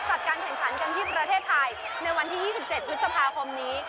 จัดการแข่งขันกันที่ประเทศไทยในวันที่๒๗พฤษภาคมนี้